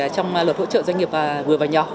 trong luật hỗ trợ doanh nghiệp vừa và nhỏ